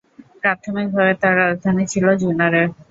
প্রাথমিকভাবে তার রাজধানী ছিল জুনারে।